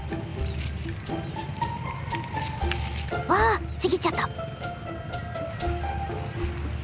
わっちぎっちゃった！